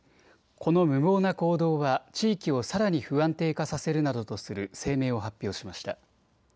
この無謀な行動は地域をさらに不安定化させるなどとする声明を発表しました。